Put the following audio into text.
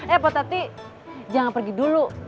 eh potati jangan pergi dulu